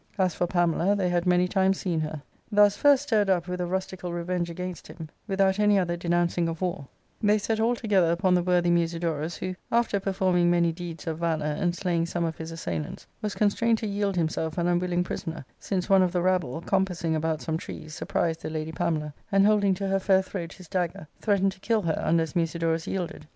As for Pamela, they had many times seen her. Thus, first stirred up with a rustical revenge against him, without any other denouncing of war, they set all together upon the worthy Musidorus, who, after performing many deeds of valour and slaying some of his assailants, was constrained to yield himself an unwilling pri soner, since one of the rabble, compassing about some trees» surprised the lady Pamela, and holding to her fair throat his dagger, threatened to kill her unless Musidorus yielded.